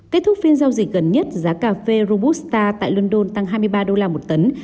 kết thúc phiên giao dịch gần nhất giá cà phê robusta tại london tăng hai mươi ba đô la một tấn